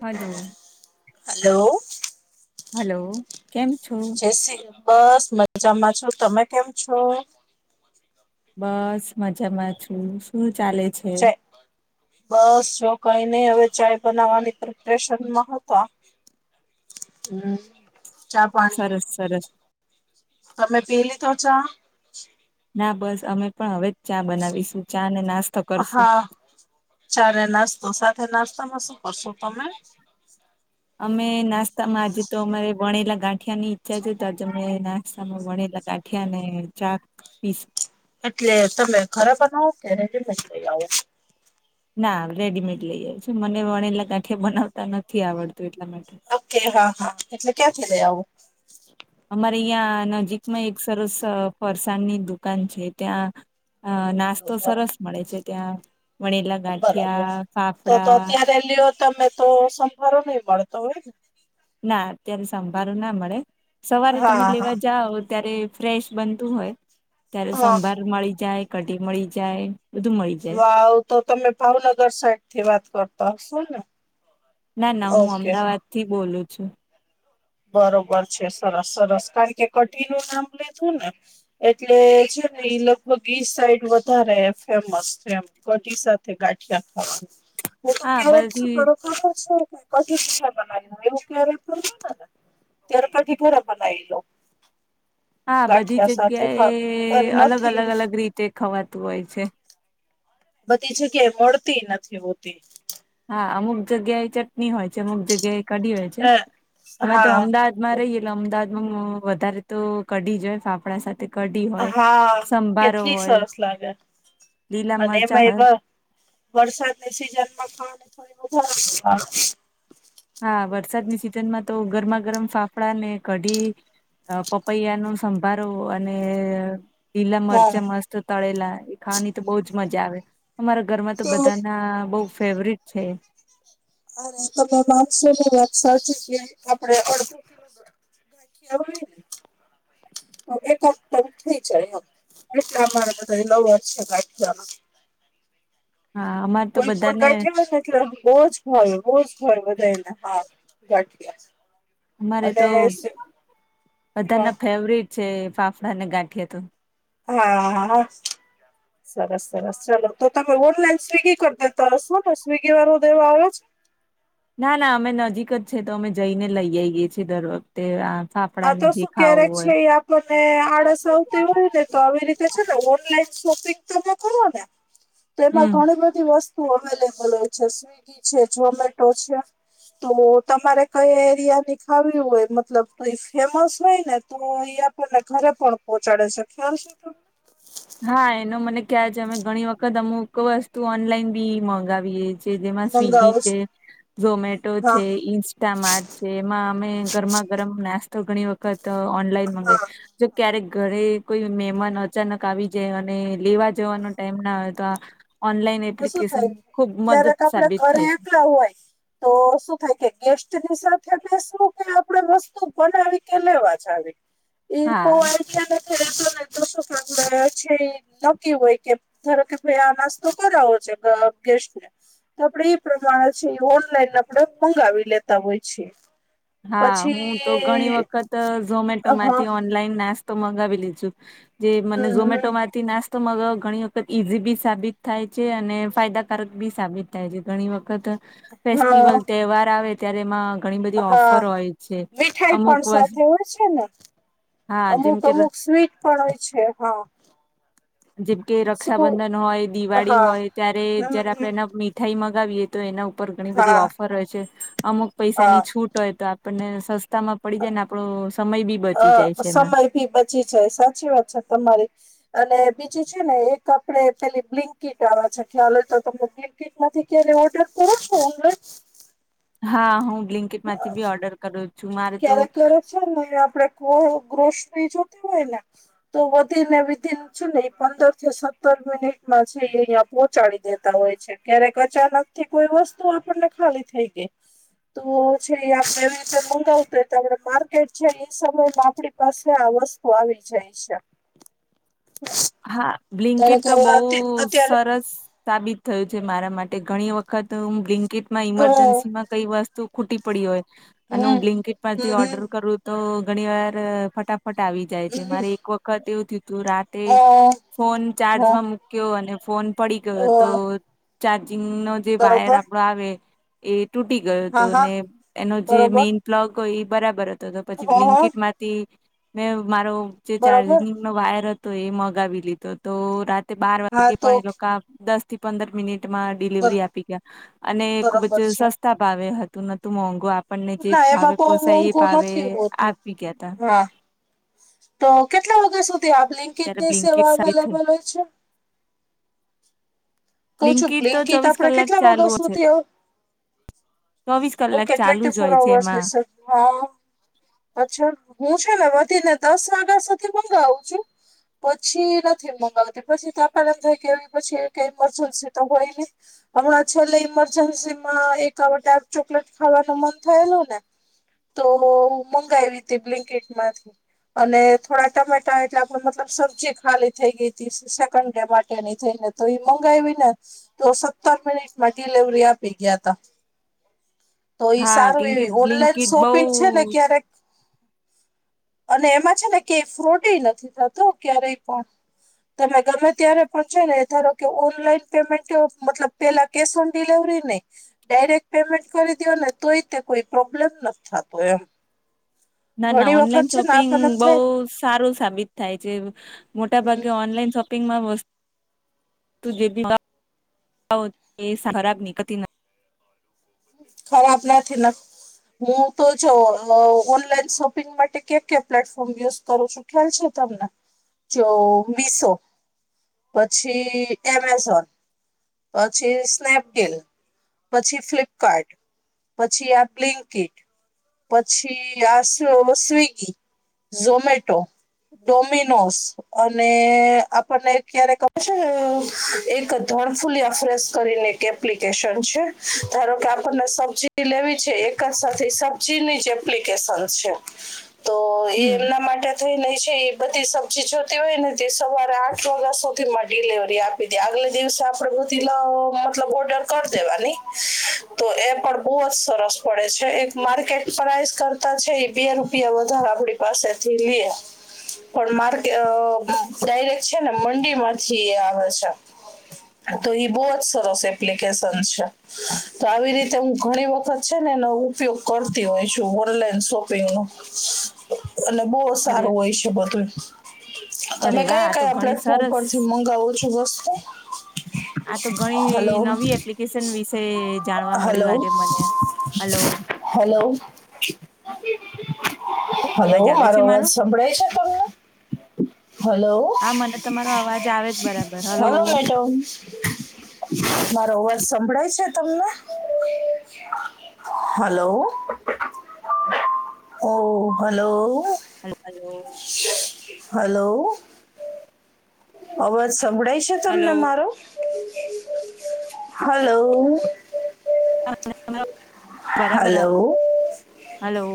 Hello hello. Hello. કેમ છો જ [inaudible] બસ મજામાં છો તમે કેમ છો? બસ મજામાં છું શું ચાલે છે? ચા બસ જો કઈ નઈ હવે ચાય બનાવવાની પ્રિપરેશનમાં હતા. હમ ચા પાણી સરસ સરસ. તમે પી લીધો ચા?? ના બસ અમે પણ હવે જ ચા બનાવીશું ચા ને નાસ્તો કરશું. ચારે નાસ્તો સાથે નાસ્તામાં શું કરશો તમે. [unintelligible] અમે નાસ્તામાં આજે તો અમારે ભણેલા ગાંઠિયા ની ઈચ્છા છે તો આજે અમે નાસ્તામાં વણેલા ગાંઠ. મઠિયાને ચાક પીસ. એટલે તમે ઘરે બવો કે રજમ જ લઈ આવો. ના રેડીમેડ લઈ આવ છું મને વણેલા ગાંઠિયા બનાવતા નથી આવડતું એટલા માટે. ઓકે હા હા એટલે ક્યાંથી લઈ આવું. અમારે અહં નજીકમાં એક સરસ ફરસાણની દુકાન છે ત્યાં. અ નાસ્તો બરોબર સરસ મળે છે ત્યાં વણેલા ગાંઠિયા ફાફડા. ેલીઓ તમે તો સંભારો નહી મળતો હોય ને. ના અત્યારે સંભાળો ના મળે સવારે તમે હા હા લેવા જાઓ ત્યારે. ફ્રેશ બનતું હોય ત્યારે હા સંભાર મળી જાય કઢી મળી જાય. બધું મળી જાય વાવ તો તમે ભાવનગર સાઈડ થી વાત કરતા હશો ને. ના ના હું ઓકે હા અમદાવાદ થી બોલું છું. બરોબર છે સરસ સરસ કારણ કે કટીી નું નામ લીધું ને. એટલે છે ને ઈ લગભગ ઈ સાઈડ વધારે ફેમસ છે એમ. કોટી સાથે ગાંઠિયા ખ. હું [inaudible] તો હા કેરેટ છું બધી પરખા પણ છું કે ક પ બનાવ એવું કેરેટ પર. ત્યાર પાછી ભરા મ એ લો. હા બધી જગ્યા ખા અ એ અલગ નથી અલગ અલગ રીતે ખવાતું હોય છે. બધી જગ્યા મળતી નથી હોતી. હા અમુક જગ્યા એ ચટણી હોય છે અમુક જગ્યા એ કઢી હોય છે અ અમે તો હા અમદાવાદ. રહી એલે અમદાવાદમાં વધારે તો કડી જય ફાફડા સાથે. કઢી હોય હા સંભારો કેટલી હોય સરસ લાગે લીલા અને મરચાં એમાં હોય એવા. વરસાદની સિઝન માં ખણી થાર. હા વરસાદની સિઝનમાં તો ગરમા ગરમ ફાફડાા ને કઢી. પપૈયા નો સંભારો અને. લીલા હા મરચાં મસ્ત તળેલા એ ખાવાની તો બહજ મજા આવે. અમારા ઘરમાં તો બધા ના બહ ફેવરટ છે. અરે તમે માણસોની વાત સાચી જએ આપડે અડધું. એક થઈ જાય. એટલે અમારે બધ નવ વર્ષ ગઠ. હા અમારે. તો કોઈ પણ બધાને ગાઠ એટલે રોજ ભાવ રોજ ભાવ વધારે ને હા ગાંઠ. અમારે તો હા બધાના ફેવરિટ છે ફાફડા અને ગાંઠિયા તો. હા. સરસ સરસ ચાલો તો તમે ઓનલાઈન સ્વિગી કરી દેતા શો ને સ્વિગી વાળો દેવો આવો જ. ના ના અમે નજીક જ છે તો અમે જઈને લઈ આવીઈ ગએ છીએ દરરોગ. તે ફાફડા ને જે ખાવું હોય મને આળસ આવતી હોય ને તો આવી રીતે છે ને ઓનલાઈન શોપિંગ તોમે કરું ને. [inaudible] તેમાં ઘણી બધી વસ્તુ અવેલે બલ હોય છે સ્વિગી છે ઝોમેટો છે. તો તમારે કઈ એરિયા ની ખાવી હોય મતલબ. તો એ ફેમસ હોય ને તો એ આપણને ઘરે પણ પહોંચાડે છે ખ્યાલ છે તો. હા એનો મને ખ્યાલ છે અમે ઘણી વખત અમુક વસ્તુ ઓનલાઈન બી મગાવીએે. જેમાં સ્વિગી મંગાવો છે છો ઝોમેટો છે હા ઇન્સ્ટામાર્ટ. જે એમાં અમે ગરમા ગરમ નાસ્તો ઘણી વખત ઓનલાઈન મગાવી. હા જો ક્યારેક ઘરે કોઈ મહેમાન અચાનક. આવી જાય અને લેવા જવાનો ટાઈમ ના હોય તો આ. ઓનલાઈન આમાં શું એપ્લિકેશન થાય ખુબ મદદ ક્યારેક આપડે સાબિત ઘરે થાય છે. એકલા હોય તો શું થાય કે ગેસ્ટની સાથે બેસવું કે આપણેે વસ્તુ બનાવી કે લેવા જાવી. એ હા થયાને [inaudible] તો શું સાંભળો છે નકી હોય કે ધાર કે ભાઈ આ નાસ્ તો તો છે ગેસ્ટને તો આપણેે એ પ્રમાણે છે એ ઓનલાઈન આપણે મંગાવી લેતા હોય છે્ હા હું તો ઘણી વખત હા ઝોમેટોમાંથી ઓનલાઈન નાસ. તો મંગાવી લીજું જે મને હમ ઝમેટોમાં. થી નાસ્તો મગાવુ ઘણી વખત ઈઝી બી સાબિત થાય છે અને ફાયદાકારક બી સાબિત થાય છે ઘણી વખત હા ફેસ્ટિવલ તહેવાર આવે ત્યારે એમાં ઘણી બધી ઓફ હ ઓફર હોય છે મીઠાઈ પણ અમુક વસ્ સાથે હોય છે ને. હા જેમ અમુક કે ર અમુક સ્વીટ પણ હોય છે હા. જેમ કે શું રક્ષાબંધન હોય દિવાળી હા હોય ત્યારે હમ જયારે આપે હમ ના. થઇ મગાવીએ તો એના ઉપર ઘણી બધી હા ઓફર હોય છે અમુક પૈસાની હા છૂટ. હોય તો આપણને સસ્તા માં પડી જાય ને આપણો સમય બી બચી જાય છે એમાં. થી બચી જાય સાચી વાત છે તમારી. અને બીજું છે ને એક આપડે પેલી બ્લિંકિટ આવે છે ખ્યાલ હોય તો તને બી. બ્લીન્કીટ માંથી કે ઓર્ડર કરો છો ઓનલાઈન. હા હું બ્લિન્કેટ માંથી બી ઓર્ડર કરું. છું મારે તો ક્યારેક ક્યારેક છે ને આપડે કો ગ્રોસરી જોતી હોયને. તો વધી ને વિઘી ને. છે ને એ પંદર થી સત્તર મિનિટમાં છે એ અહિયાં પહોંચાડી દેતા હોય છે ક્યારેક અચાનક કોઈ વસ્તુ આપણને ખાલી થઈ ગઈ તો છે આપ એવી રીતેં મંગાવી. કે તમને માર્કેટ છે એ સમયમાં આપણી પાસે આ વસ્તુ આવી જાય છે. હ [unintelligible] હા બ્લીન્કીટ તો બહુ અત્યારે સરસ. સાબિત થયું છે મારા માટે ઘણી વખત હું બ્લીન્કીટ માં અ ઈમરજન્સીમાં. કઈ વસ્તુ ખૂટી પડી હોય અને હું હમ બ્લિન્કેટ પરથી હમ ઓર્ડર કરું તો ઘણી વાર. ફટાફટ આવી જાય છે મારે એક વખત એવું થીવ તું રાતે અ ફોન હા ચાર્જમાં મુક. ગયો અને ફોન પડી ગયો તો અ ચાર્જિંગ નો. જે વાયર બરોબર આપડો આવે એ તૂટી ગયો હતો હા હા અને એનો જે બરોબર મેન. પ્લગ હોય એ બરાબર હતો તો પછી હ હ બ્લિંકેટ માંથી મેં મારો જે ચાર્જ બરોબર ની. ને વાયર હતો એ મગાવી લીધો તો રાતે બાર હા વાગે તો પણ એ લોકો દસ. થી પંદર મિનિટમાં બ ડિલિવરી આપી ગયા અને ખૂબ બરોબર જ છે સસ્તા. ભાવે હતું નતું મોંઘું આપણને જે ના ભાવે એમાં બહુ પોસાય એ મોંઘું ભાવે નથી હોતું આપી ગયા તા. હા તો કેટલા વાગ્યા સુધી આપ બ્લીન્કીટ ત્યારે ની સેવા બ્લિન્કીટ સારી થઈ અવેલેબલ હોય છે. કું છું બ્લિન્કીટ તો બ્લિંગકીટ ચોવીસ આપણે કલાક કેટલા વાગે ચાલુ છે. સુથી હો. ચોવીસ કલાક ચાલુ. તે જ ફોર હોય છે એમાં હર્સ હા અચ્છા હું છે ને વધીને દસ વાગ્યા સુધી મંગાવું છું. પછી નથી મગાવતી પછી તો આપે એમ થાય કેવી પછી કઈ ઇમરજન્સી તો હોય નને હમણાં છેલ્લે ઈમરજન્સી માં એક આ ડાર્ક ચોકલેટ ખાવાનો મન થયેલ ને તો મંગાવી હતી બ્લેન્કેટમાંથી અને થોડા ટમેટા એટલે પણ મતલબ સબ્જી ખાલી થઈ ગઈ હતી સેકન્ડ ડે માટેની થઈને તો એ મંગાવી ને તો સત્તર મિનિટમાં ડિલવરી આપી ગયા તા. તો ઈ હા સારું કેમકે એવી ઓનલાઈન બ્લિંકિટ બઉ શોપિંગ છે ને ક્યારેક. અને એમાં છે ને કે ફ્રોટ નથી થતો ક્યારેય પણ તમે ગમે ત્યારે પણ છે ને ધારો કે ઓનલાઈન પેમેન્ટ મતલબ પેલા કેશ ઓન ડિલવરી નહી ડાયરેક્ટ પેમેન્ટ કરી દો ને. તોય તે કોઈ પ્રોબ્લેમ નથી થતો એમ. ના ના ઘણી વખત ઓનલાઈન છે ને શોપિંગ આપણને એમ બઉ થાય સારું સાબિત થાય છે મોટા ભાગે હમ ઓનલાઈન શોપ વ જે ખરાબ નીકળતી નથી ખરા આપણાથી ના હું તો જો, ઓનલાઈન શોપિંગ માટે, ક્યા ક પ્લેટફોર્મ યુઝ કરું છું. ખેલ છે. તમને જો મીસો. પછી એમેઝોન. પછી સ્નેપડીલ પછી ફ્લિપકાર્ટ પછી આપ બ્લિંક કિટ પછી આ શું સ્વિગી ઝોમેટો ડોમિનોોસ અને આપણને ક્યારે ક છે એક ધડફૂલિયા ફ્રસ કરીને કે એ્િકેશન છે ધારો કે આપણને સબ લેવી છે એક જ સાથે ીની જે એપ્લિકેશન છે તો એ હમ એમના માટે થઈ ન છે એ બધી સબ્જી જોતી હોય ને તે સવારે આઠ વાગ્યા સુધીમાં ડિલેવરી આપે બી આગલે દિવસે આપડે બધલા મતલબ ઓર્ડર કરી દેવાની તો એ પણ બહુ જ સરસ પડે છે એક માર્કેટ પ્રાઇસ કરતા છે એ બે રૂપિયા વધારે આપડી પાસેથી લે પણ માર્કેટ ડાયરેક છે ને મંડી માંથી આવે છે તો એ બહુ જ સરસ એપ્લિકેશન છે તો આવી રીતે હું ઘણી વખત છે ને નવું. ઉપયોગ કરતી હોય શું ઓનલાઈન શોપિંગ નુ. એટ બહુ અરે સારું હોય છે બધું. અરે તમે વાહ કયા આ તો કયા ઘણી પ્લેટફોર્મ સરસ પરથી મંગાવો છો વસ્તુ? આ તો હલો ઘણી નવી એપ્લિકેશન વિશે જાણવા હલો મળ્યું આજે મને. હલો. Hello hello. અવાજ આવે મારો છે અવાજ સંભળાય છે તમને? હલો હા મને તમારો અવાજ આવે જ બરાબર હલો મેડમ. મારો અવાજ સંભળાય છે તમને? હલો ઓ હલો. હ હલો. હલો. અવાજ સંભળાય છે તમને હલો મારો? હલો બરાબર. Hello hello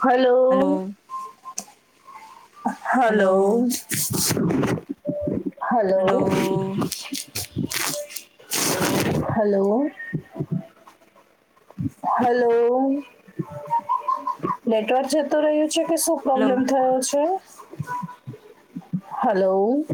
hello. Hello hello. Hello hello hello. Hello. Network જતું રહ્યું છે કે શું? હલો પ્રોબ્લેમ થયો છે. હલો.